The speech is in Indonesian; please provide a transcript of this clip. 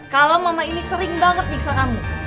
kalau mama ini sering banget nyiksa kamu